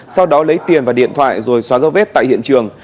sau đó lấy tiền và điện thoại rồi xóa dấu vết tại hiện trường